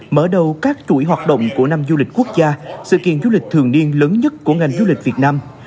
mở đầu các chuỗi hoạt động của năm du lịch quốc gia sự kiện du lịch thường niên lớn nhất của ngành du lịch việt nam